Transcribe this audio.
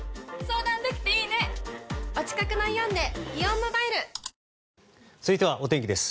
ＮＯ．１続いてはお天気です。